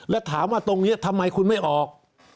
แล้วถามว่าตรงนี้ทำไมคุณไม่ออก